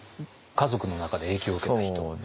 家族の中で影響を受けた人。